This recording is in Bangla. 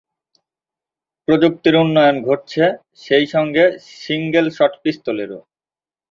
প্রযুক্তির উন্নয়ন ঘটছে সেই সাথে সিঙ্গল শট পিস্তলরেও।